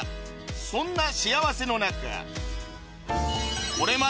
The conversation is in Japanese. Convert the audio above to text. そんな幸せの中